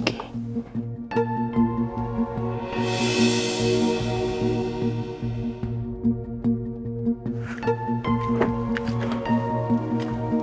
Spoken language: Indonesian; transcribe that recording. ketika ada orang yang ngehargain lo